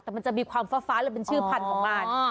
แต่มันจะมีความฟ้าและเป็นชื่อพันธุ์ของมัน